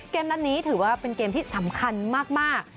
นัดนี้ถือว่าเป็นเกมที่สำคัญมาก